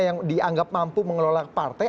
yang dianggap mampu mengelola partai